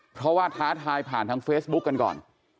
เพราะว่าท้าทายผ่านทางเฟซบุ๊คกันก่อน